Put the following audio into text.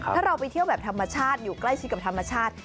ถ้าเราไปเที่ยวแบบธรรมชาติอยู่ใกล้ชิดกับธรรมชาติ